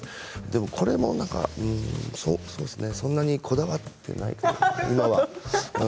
でもこれもそんなにこだわっていないかな今は。